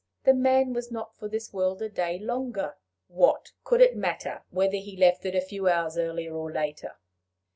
the man was not for this world a day longer; what could it matter whether he left it a few hours earlier or later?